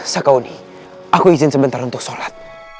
sakauni aku izin sebentar untuk sholat